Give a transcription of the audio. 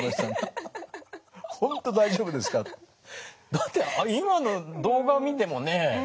だって今の動画見てもね